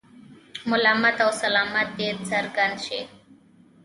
ملامت او سلامت دې څرګند شي.